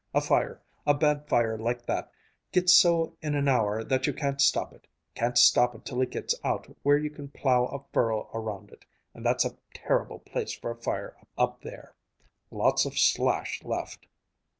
A fire, a bad fire like that, gets so in an hour that you can't stop it can't stop it till it gets out where you can plow a furrow around it. And that's a terrible place for a fire up there. Lots of slash left."